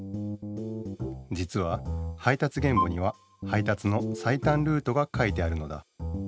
じつは配達原簿には配達の最短ルートが書いてあるのだ。